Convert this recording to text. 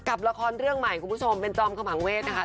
กับละครเรื่องใหม่คุณผู้ชมเป็นจอมขมังเวทนะคะ